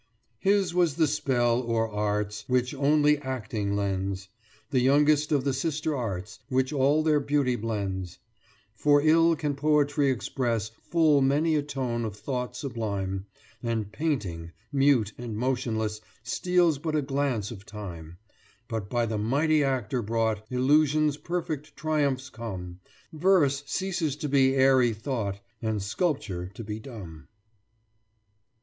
His was the spell o'er hearts Which only Acting lends The youngest of the sister arts, Which all their beauty blends: For ill can Poetry express Full many a tone of thought sublime, And Painting, mute and motionless, Steals but a glance of time, But by the mighty actor brought, Illusion's perfect triumphs come Verse ceases to be airy thought, And Sculpture to be dumb.